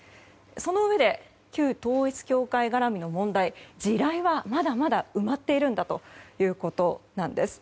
そのうえで旧統一教会絡みの問題地雷はまだまだ埋まっているんだということなんです。